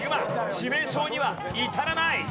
致命傷には至らない！